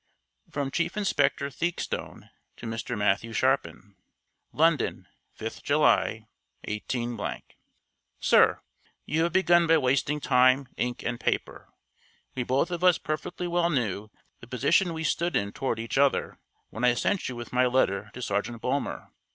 FROM CHIEF INSPECTOR THEAKSTONE TO MR. MATTHEW SHARPIN. London, 5th July, 18 . SIR You have begun by wasting time, ink, and paper. We both of us perfectly well knew the position we stood in toward each other when I sent you with my letter to Sergeant Bulmer.